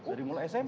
dari mulai smp